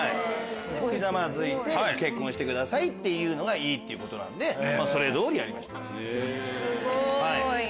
ひざまずいて結婚してください！っていうのがいいってことでそれ通りやりました。